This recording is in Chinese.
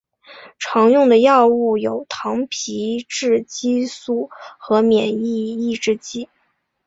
常用的药物有糖皮质激素和免疫抑制剂。